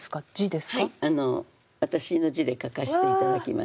はい私の字で書かせて頂きました。